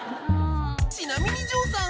ちなみに城さん